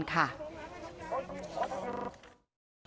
คุณกันเรียกหน่อยสิทธิ์